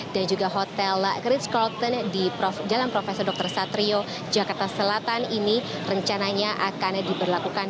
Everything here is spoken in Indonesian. dan juga hotel gritz carlton di jalan profesor dr satrio jakarta selatan ini rencananya akan diberlakukan